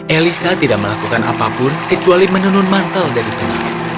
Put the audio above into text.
elisa tidak melakukan apapun kecuali menenun mantel dari benang